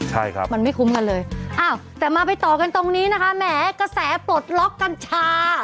ใช่ครับมันไม่คุ้มกันเลยอ้าวแต่มาไปต่อกันตรงนี้นะคะแหมกระแสปลดล็อกกัญชา